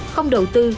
không đầu tư